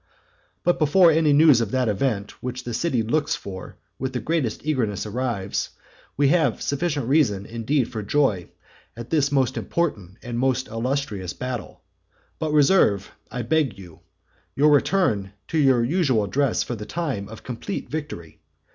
But before any news of that event which the city looks for with the greatest eagerness arrives, we have sufficient reason indeed for joy at this most important and most illustrious battle; but reserve, I beg you, your return to your usual dress for the time of complete victory.